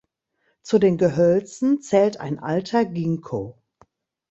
Zu den Gehölzen zählt ein alter Ginkgo.